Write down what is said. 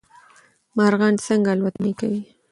مارغان څنګه الوتنې کوی